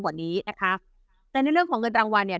กว่านี้นะคะแต่ในเรื่องของเงินรางวัลเนี่ย